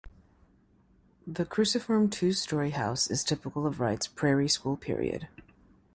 The cruciform two-story house is typical of Wright's Prairie School period.